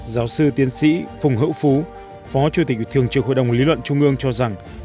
giáo sư tiến sĩ phùng hữu phú phó chủ tịch thường trực hội đồng lý luận trung ương cho rằng